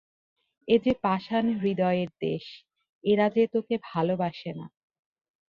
এ যে পাষাণ-হৃদয়ের দেশ– এরা যে তোকে ভালোবাসে না।